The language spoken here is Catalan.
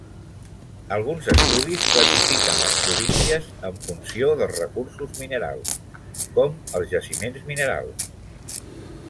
Alguns estudis classifiquen les províncies en funció dels recursos minerals, com els jaciments minerals.